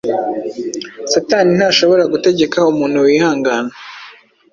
Satani ntashobora gutegeka umuntu wihangana.